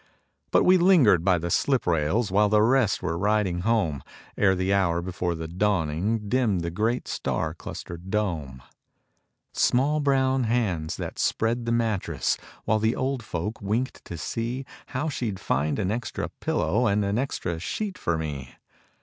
But we lingered by the slip rails While the rest were riding home, Ere the hour before the dawning, Dimmed the great star clustered dome. Small brown hands that spread the mattress While the old folk winked to see How she'd find an extra pillow And an extra sheet for me.